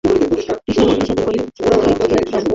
কৃষ্ণমূর্তি সাথে পরিচয় করিয়ে দাও।